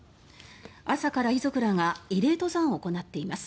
朝から遺族らが慰霊登山を行っています。